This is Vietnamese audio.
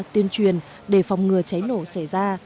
tuyên truyền để phòng ngừa cháy nổ xảy ra